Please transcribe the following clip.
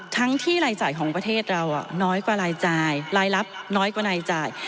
ทั้งที่รายจ่ายของประเทศเราน้อยกว่ารายจ่ายรายรับน้อยกว่ารายจ่าย